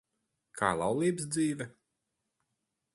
Kā laulības dzīve?